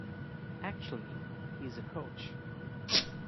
Actually, he is a coach.